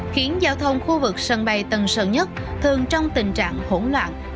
khiến giao thông khu vực sân bay tân sơn nhất thường trong tình trạng hỗn loạn